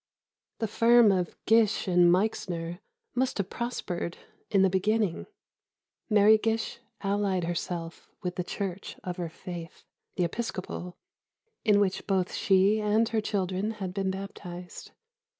The firm of Gish and Meixner must have prospered, in the beginning. Mary Gish allied herself with the church of her faith, the Episcopal, in which both she and her children had been baptized.